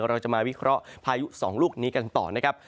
เราจะมาวิเคราะห์พายุสองลูกนี้กันต่อนะครับ